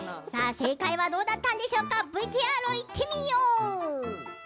正解はどうだったんでしょうかＶＴＲいってみよう。